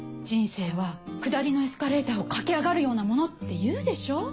人生は下りのエスカレーターを駆け上がるようなものって言うでしょ？